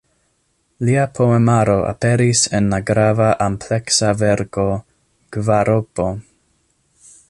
Lia poemaro aperis en la grava ampleksa verko "Kvaropo".